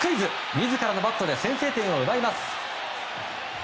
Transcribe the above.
自らのバットで先制点を奪います。